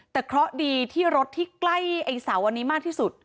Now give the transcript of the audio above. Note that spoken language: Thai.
แต่เคราะห์ดีที่รถที่ใกล้ไอ้เสาอันนี้มากที่สุด